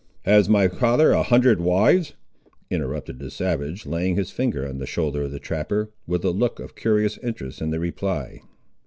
"Has my father a hundred wives!" interrupted the savage, laying his finger on the shoulder of the trapper, with a look of curious interest in the reply.